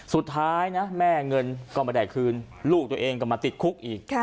สุดท้ายนะแม่เงินก็ไม่ได้คืนลูกตัวเองก็มาติดคุกอีก